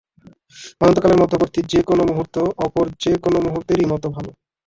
অনন্তকালের মধ্যবর্তী যে-কোন মুহূর্ত অপর যে-কোন মুহূর্তেরই মত ভাল।